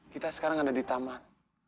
kita sekarang ada di taman